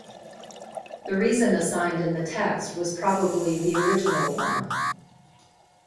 The reason assigned in the text was probably the original one.